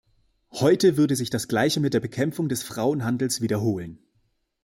Heute würde sich das gleiche mit der Bekämpfung des Frauenhandels wiederholen.